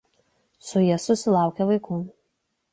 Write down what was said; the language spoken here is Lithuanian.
Su ja susilaukė vaikų.